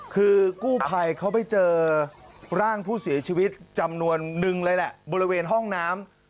คือกู้ภัยเขาไปเจอร่างผู้เสียชีวิตจำนวนนึงเลยแหละบริเวณห้องน้ำ